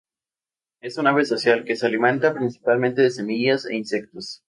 Es un ave social, que se alimenta principalmente de semillas e insectos.